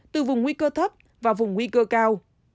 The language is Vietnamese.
từ vùng nguy cơ thấp và vùng nguy cơ cao